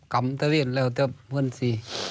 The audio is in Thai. กลับจุดเลือดเรากับปุ่นที่